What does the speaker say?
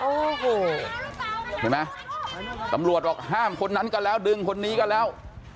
โอ้โหเห็นไหมตำรวจบอกห้ามคนนั้นก็แล้วดึงคนนี้ก็แล้ว